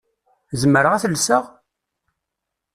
Zemreɣ ad t-llseɣ?